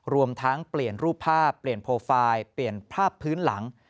รวมทั้งเปลี่ยนรูปภาพเปลี่ยนโปรไฟล์เปลี่ยนภาพพื้นหลัง